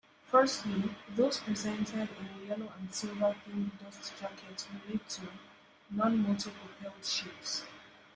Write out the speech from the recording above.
Firstly, those presented in a yellow-and-silver themed dust jacket relate to 'non-motor-propelled' ships.